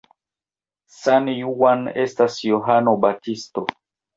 San Juan estas Johano Baptisto.